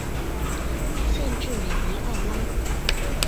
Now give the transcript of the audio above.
县治米尼奥拉。